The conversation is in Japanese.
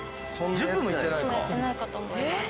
１０分もやってないかと思います。